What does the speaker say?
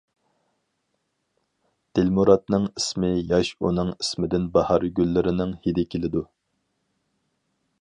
دىلمۇراتنىڭ ئىسمى ياش ئۇنىڭ ئىسمىدىن باھار گۈللىرىنىڭ ھىدى كېلىدۇ.